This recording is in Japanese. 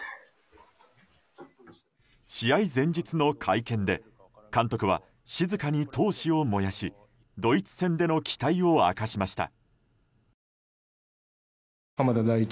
試合前日の会見で監督は静かに闘志を燃やしドイツ戦での期待を明かしました。